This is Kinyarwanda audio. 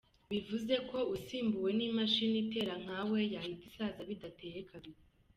Bivuze ko usimbuwe n’imashini itera nkawo yahita isaza bidateye kabiri.